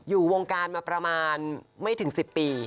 อยู่วงการมาประมาณไม่ถึง๑๐ปี